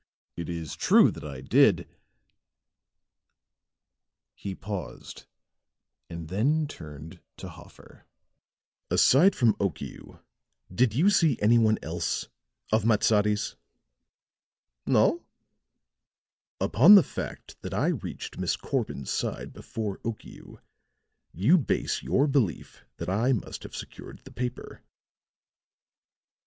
It is true that I did " he paused and then turned to Hoffer. "Aside from Okiu, did you see any one else of Matsadi's?" "No." "Upon the fact that I reached Miss Corbin's side before Okiu you base your belief that I must have secured the paper."